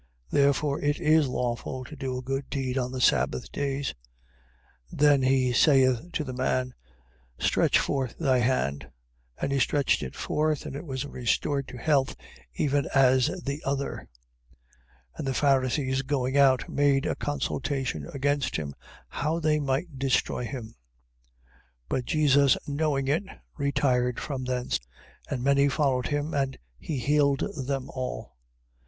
Therefore it is lawful to do a good deed on the sabbath days. 12:13. Then he saith to the man: Stretch forth thy hand; and he stretched it forth, and it was restored to health even as the other. 12:14. And the Pharisees going out made a consultation against him, how they might destroy him. 12:15. But Jesus knowing it, retired from thence: and many followed him, and he healed them all. 12:16.